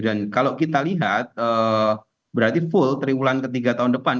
dan kalau kita lihat berarti full tribulan ketiga tahun depan